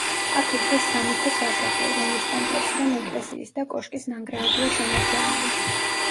აქ იდგა სამეფო სასახლე, რომლის კომპლექსიდან ეკლესიის და კოშკის ნანგრევებია შემორჩენილი.